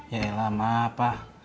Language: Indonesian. yaelah mah pak